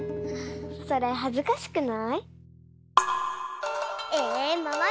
それはずかしくない？